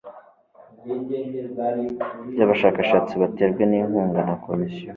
by abashakashatsi baterwa inkunga na komisiyo